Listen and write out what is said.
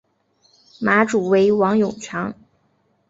马主为王永强。